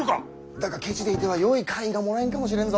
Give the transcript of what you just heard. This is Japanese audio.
だがケチでいてはよい官位がもらえんかもしれんぞ。